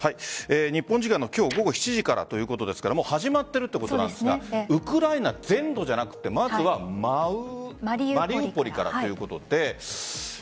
日本時間の今日午後７時からということですからもう始まっているということなんですがウクライナ全土じゃなくまずはマリウポリからということで。